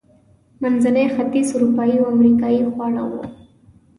د منځني ختیځ، اروپایي او امریکایي خواړه و.